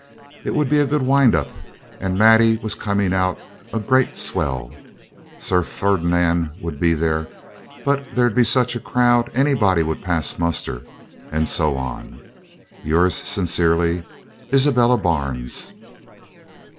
It would be a good wind up, and Maddie was coming out a great swell. Sir Ferdinand would be there, but there'd be such a crowd anybody would pass muster, and so on. 'Yours sincerely, 'Isabella Barnes.